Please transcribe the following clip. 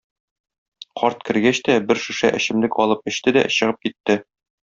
Карт кергәч тә бер шешә эчемлек алып эчте дә чыгып китте.